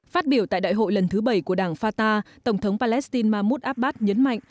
phát biểu tại đại hội lần thứ bảy của đảng fata tổng thống palestine mahmoud abbas nhấn mạnh